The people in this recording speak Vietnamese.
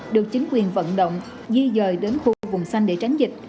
được chính quyền vận động di dời đến khu vùng xanh để tránh dịch